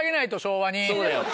そうだよ。